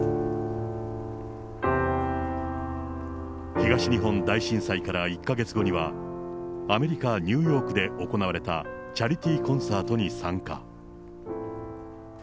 東日本大震災から１か月後には、アメリカ・ニューヨークで行われたチャリティーコンサートに参加。